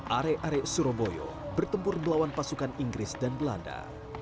arek arek surabaya bertempur melawan pasukan inggris dan belanda